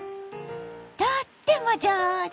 とっても上手！